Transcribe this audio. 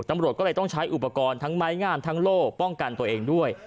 ตำรวจก็เลยต้องใช้อุปกรณ์ทั้งไม้งามทั้งโล่ป้องกันตัวเองด้วย